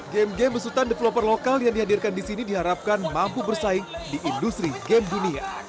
game game besutan developer lokal yang dihadirkan di sini diharapkan mampu bersaing di industri game dunia